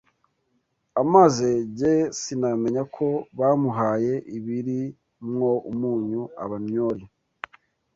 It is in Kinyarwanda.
Amaze jye sinamenya Ko bamuhaye ibiri mwo umunyu Abannyori